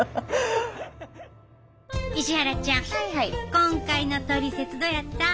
今回のトリセツどうやった？